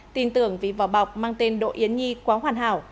tin tưởng vì vỏ bọc mang tên đỗ yến nhi quá hoàn hảo